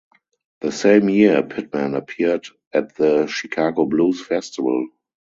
The same year Pittman appeared at the Chicago Blues Festival.